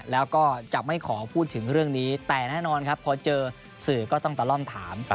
แล้วก็จะไม่ขอพูดถึงเรื่องนี้แต่แน่นอนครับพอเจอสื่อก็ต้องตะล่อมถาม